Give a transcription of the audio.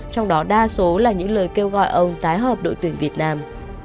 trong đó đa số là những lời kêu gọi ông tái hợp đội tuyển việt nam